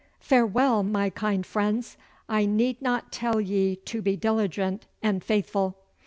Farewell, my kind friends! I need not tell ye to be diligent and faithful.